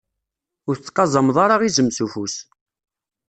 Ur tettqazameḍ ara izem s ufus.